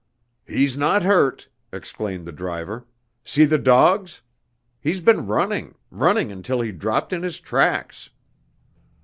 "He's not hurt!" exclaimed the driver, "see the dogs! He's been running running until he dropped in his tracks!"